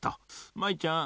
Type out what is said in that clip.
舞ちゃん